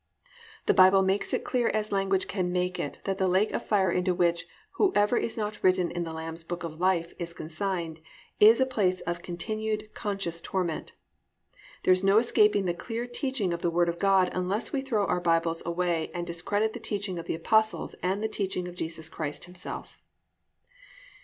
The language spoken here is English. "+ The Bible makes it clear as language can make it that the lake of fire to which "whoever is not written in the Lamb's book of life" is consigned, is a place of continued, conscious torment. There is no escaping the clear teaching of the Word of God unless we throw our Bibles away and discredit the teaching of the Apostles and the teaching of Jesus Christ Himself.